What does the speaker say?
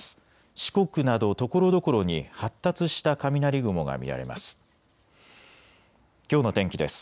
四国などところどころに発達した雷雲が見られます。